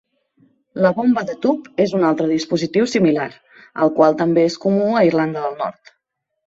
La bomba de tub és un altre dispositiu similar, el qual també és comú a Irlanda del Nord.